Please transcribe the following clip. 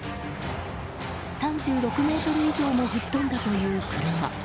３６ｍ以上も吹っ飛んだという車。